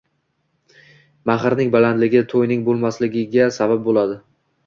Mahrning balandligi to'yning bo'lmasligiga sabab bo'ladi